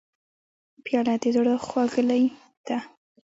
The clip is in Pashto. پیاله د زړه خوږلۍ ده.